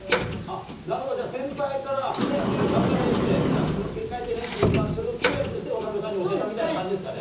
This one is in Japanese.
あ、なるほど、じゃあ先輩から頑張れって、気持ち切り替えてねって、それを通訳して渡辺さんに教えたみたいな感じですかね。